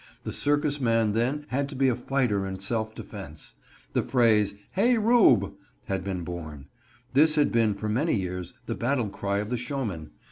The circus man then had to be a fighter in selfdefense. The phrase "Hey, Rube!" had been born. This has been, for many years, the battle cry of the showmen.